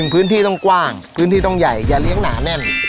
พื้นที่ต้องกว้างพื้นที่ต้องใหญ่อย่าเลี้ยงหนาแน่น